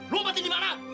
lu pati dimana